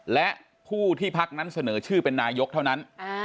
และผู้ที่พักนั้นเสนอชื่อเป็นนายกเท่านั้น